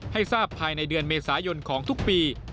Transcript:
ให้ทราบภายในเดือนเมษายนของทุกปี